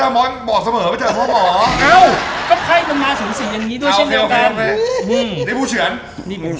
อาร์เซโน้น๔๕เปอร์เซนต์